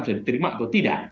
bisa diterima atau tidak